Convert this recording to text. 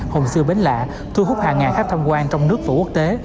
hồng sư bến lạ thu hút hàng ngàn khách tham quan trong nước và quốc tế